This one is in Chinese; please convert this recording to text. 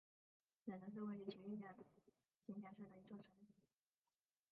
忍城是位在崎玉县行田市的一座城。